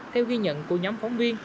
theo ghi nhận của nhóm phóng viên